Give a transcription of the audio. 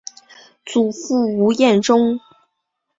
祖父吴彦忠。